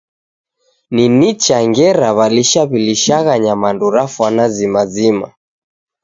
Ni nicha ngera w'alisha w'ilishagha nyamandu ra fwana zima zima.